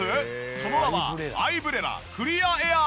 その名はアイブレラクリアエアー。